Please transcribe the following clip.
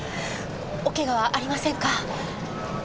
お怪我はありませんか？